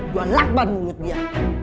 jual lakban mulut dia